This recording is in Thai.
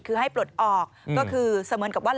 คือให้ปลดออกก็คือเสมือนกับว่า